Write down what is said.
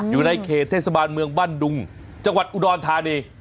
อยู่ในเขตเทศบาลเมืองบ้านดุงจังหวัดอุดรธานี